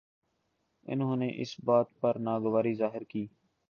انہوں نے اس بات پر ناگواری ظاہر کی